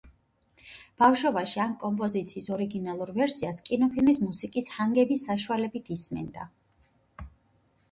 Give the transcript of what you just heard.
ბავშვობაში ამ კომპოზიციის ორიგინალურ ვერსიას კინოფილმის მუსიკის ჰანგების საშუალებით ისმენდა.